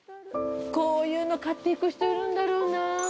こういうの買っていく人いるんだろうなぁ。